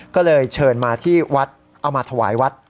ก็เลยเชิญมาที่วัดเอามาถวายวัด